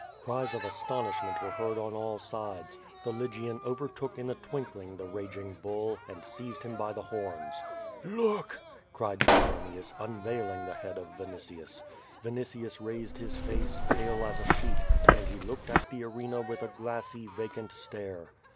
0170 VADI8. 477 Cries of astonishment were heard on all sides. The Lygian overtook in a twinkling the raging bull, and seized him by the horns. "Look!'' cried Petronius, unveiling the head of Vinitius. Vinitius raised his face, palo as a sheet, and lie looked at the arena with a glassy, vacant stare.